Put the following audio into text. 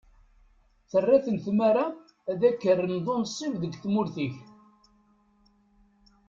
Terra-ten tmara ad k-rren d unsib deg tmurt-ik.